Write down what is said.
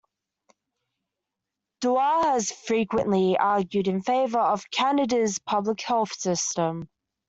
Doer has frequently argued in favour of Canada's public health system.